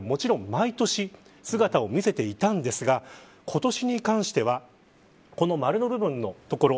毎年姿を見せていたんですが今年に関しては丸の部分のところ。